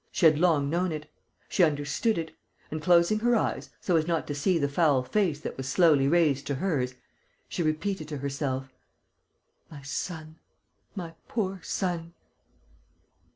She had long known it. She understood it; and, closing her eyes, so as not to see the foul face that was slowly raised to hers, she repeated to herself: "My son ... my poor son."